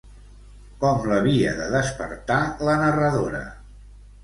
Com l'havia de despertar la narradora?